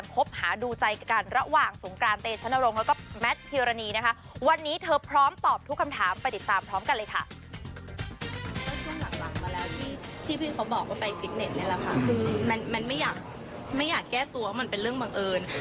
คือแมนไม่อยากแก้ตัวว่ามันเป็นเรื่องบังเอิญ